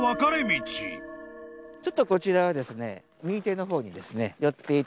ちょっとこちらはですね。